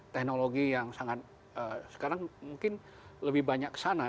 teknologi yang sangat sekarang mungkin lebih banyak ke sana